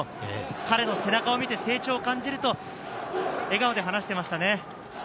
彼の背中を見で成長を感じると笑顔で話していました。